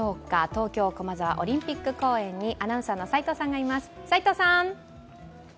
東京・駒沢オリンピック公園にアナウンサーの齋藤さんがいます。